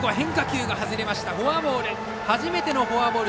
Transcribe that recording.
フォアボール。